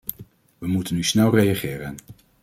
We moeten nu snel reageren.